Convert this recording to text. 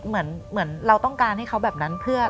เหมือนเราต้องการให้เขาแบบนั้นเพื่อ